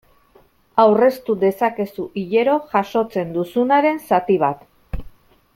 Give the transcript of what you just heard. Aurreztu dezakezu hilero jasotzen duzubaren zati bat.